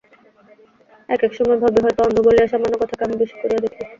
এক এক সময় ভাবি, হয়তো অন্ধ বলিয়া সামান্য কথাকে আমি বেশি করিয়া দেখি।